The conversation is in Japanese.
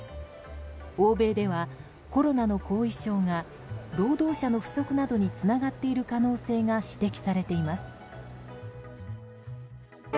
欧米では、コロナの後遺症が労働者の不足などにつながっている可能性が指摘されています。